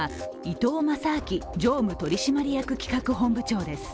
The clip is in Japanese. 伊東正明常務取締役企画本部長です。